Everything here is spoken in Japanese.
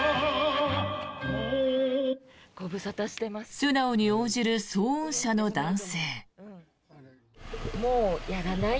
素直に応じる騒音車の男性。